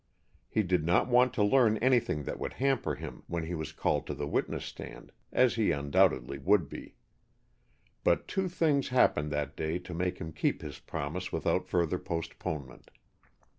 He did not want to learn anything that would hamper him when he was called to the witness stand, as he undoubtedly would be. But two things happened that day to make him keep his promise without further postponement.